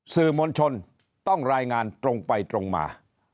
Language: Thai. สื่อมวลชนต้องรายงานตรงไปตรงมา